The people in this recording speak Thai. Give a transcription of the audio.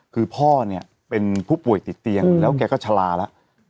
คือพ่อเนี่ยเป็นผู้ป่วยติดเตียงแล้วแกก็ชะลาแล้ว